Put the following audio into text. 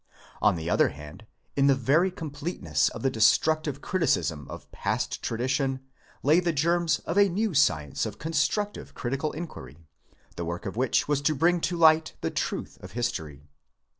On the other hand, in the very com pleteness of the destructive criticism of past tradi tion lay the germs of a new science of constructive critical inquiry, the work of which was to bring to light the truth of history.